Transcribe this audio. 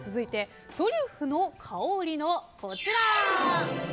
トリュフの香りのこちら。